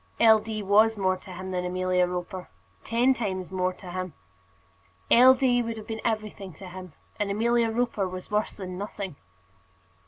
L. D. was more to him than Amelia Roper, ten times more to him. L. D. would have been everything to him, and Amelia Roper was worse than nothing.